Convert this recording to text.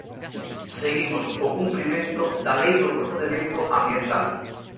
Seguimos o cumprimento da lei do procedemento ambiental.